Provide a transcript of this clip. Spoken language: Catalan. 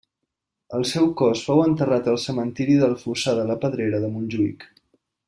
El seu cos fou enterrat al cementiri del Fossar de la Pedrera de Montjuïc.